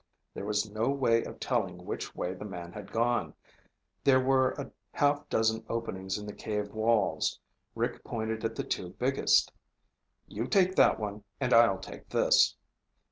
There was no way of telling which way the man had gone. There were a half dozen openings in the cave walls. Rick pointed at the two biggest. "You take that one and I'll take this."